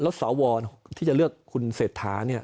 และสอวรนะครับที่จะเลือกคุณเสถาเนี่ย